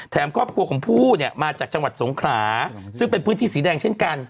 ครอบครัวของผู้เนี่ยมาจากจังหวัดสงขราซึ่งเป็นพื้นที่สีแดงเช่นกัน